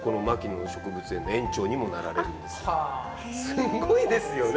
すごいですよね！